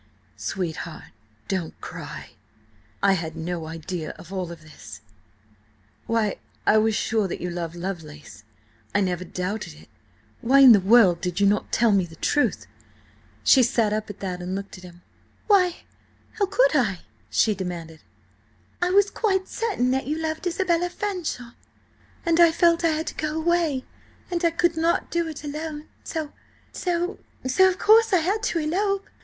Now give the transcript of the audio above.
"Sweetheart, don't cry! I had no idea of all this–why, I was sure that you loved Lovelace–I never doubted it–why in the world did you not tell me the truth?" She sat up at that, and looked at him. "Why, how could I?" she demanded. "I was quite certain that you loved Isabella Fanshawe. I felt I had to go away, and I could not do it alone–so–so–so, of course I had to elope.